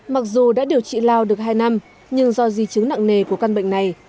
mặc dù đã điều trị lao được hai năm nhưng do di chứng nặng nề của căn bệnh này